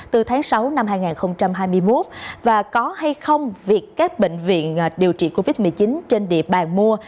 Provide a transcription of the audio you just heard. từ tháng sáu năm hai nghìn hai mươi một và có hay không việc các bệnh viện điều trị covid một mươi chín trên địa bàn mua